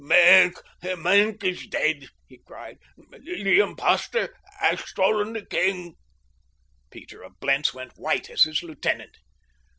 "Maenck is dead," he cried. "The impostor has stolen the king." Peter of Blentz went white as his lieutenant.